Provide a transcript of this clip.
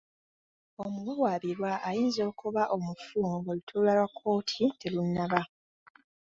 Omuwawaabirwa ayinza okuba omufu ng'olutuula lwa Kkooti terunnaba.